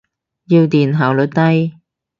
要電，效率低。